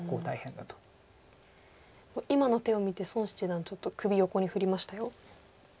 今の手を見て孫七段ちょっと首横に振りましたよ。